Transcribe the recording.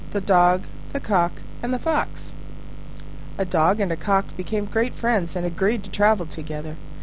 THE DOG, THE COCK, AND THE FOX A Dog and a Cock became great friends, and agreed to travel together.